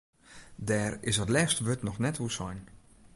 Dêr is it lêste wurd noch net oer sein.